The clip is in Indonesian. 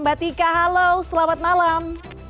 mbak tika halo selamat malam